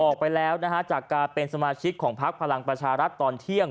ออกไปแล้วนะฮะจากการเป็นสมาชิกของพักพลังประชารัฐตอนเที่ยง